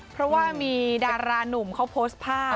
เพราะว่ามีดารานุ่มเขาโพสต์ภาพ